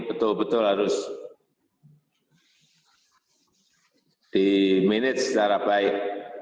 betul betul harus diminis secara baik